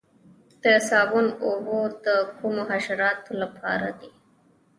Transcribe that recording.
د صابون اوبه د کومو حشراتو لپاره دي؟